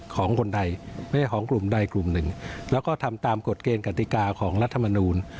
ของคนใดไม่ใช่ของกลุ่มใดกลุ่มหนึ่งแล้วก็ทำตามกฎเกณฑ์กติกาของรัฐมนูล